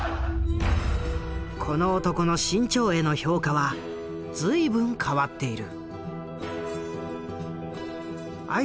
この男の志ん朝への評価は随分変わっている。